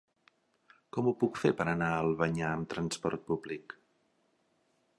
Com ho puc fer per anar a Albanyà amb trasport públic?